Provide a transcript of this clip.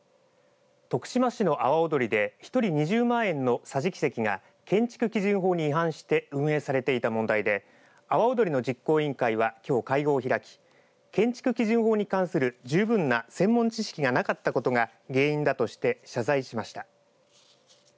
徳島市の阿波おどりで１人２０万円の桟敷席が建築基準法に違反して運営されていた問題で阿波おどりの実行委員会はきょう会合を開き建築基準法に関する十分な専門知識がなかったことが原因だとして謝罪しました。